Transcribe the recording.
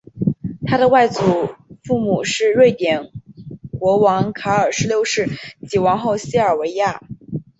他的外祖父母是瑞典国王卡尔十六世及王后西尔维娅。